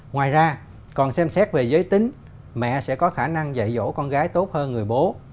ngoài ra còn xem xét về giới tính mẹ sẽ có khả năng dạy dỗ con gái tốt hơn người bố